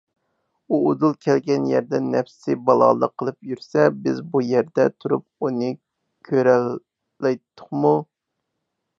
ئۇ ئۇدۇل كەلگەن يەردە نەپسى بالالىق قىلىپ يۈرسە، بىز بۇ يەردە تۇرۇپ ئۇنى كۆرەلەيتتۇقمۇ؟